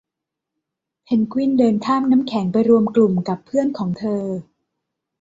เพนกวินเดินข้ามน้ำแข็งไปรวมกลุ่มกับเพื่อนของเธอ